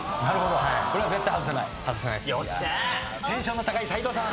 テンションの高い斎藤さん。